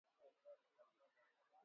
Bana mu kaburiya mama ba mbuji